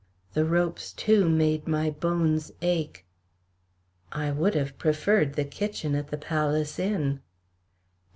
The ropes, too, made my bones ache. I would have preferred the kitchen at the Palace Inn.